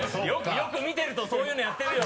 よく見てるとそういうのやってるよ。